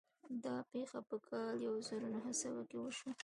دا پېښه په کال يو زر و نهه سوه کې وشوه.